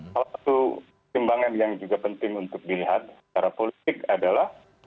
salah satu pertimbangan yang juga penting untuk dilihat secara politik adalah